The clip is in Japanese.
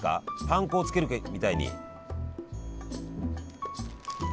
パン粉をつけるみたいに。